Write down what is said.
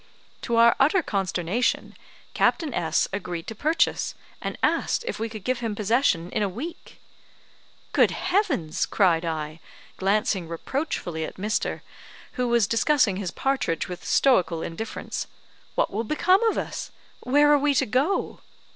To our utter consternation, Captain S agreed to purchase, and asked if we could give him possession in a week! "Good heavens!" cried I, glancing reproachfully at Mr. , who was discussing his partridge with stoical indifference. "What will become of us? Where are we to go?"